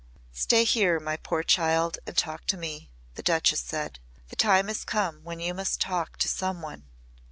"Stay here, my poor child and talk to me," the Duchess said. "The time has come when you must talk to some one."